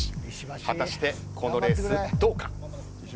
果たして、このレースどうか。